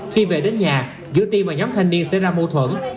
khi về đến nhà giữa tiên và nhóm thanh niên sẽ ra mâu thuẫn